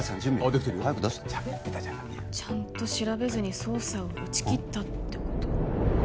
できてるよ早く出してしゃべってたじゃないちゃんと調べずに捜査を打ち切ったってこと？